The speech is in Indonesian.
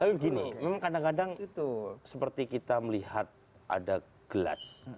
tapi gini memang kadang kadang itu seperti kita melihat ada gelas